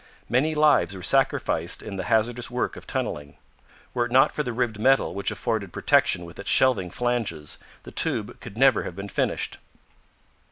Many lives were sacrificed in the hazardous work of tunneling. Were it not for the ribbed metal which afforded protection with its shelving flanges, the tube could never have been finished.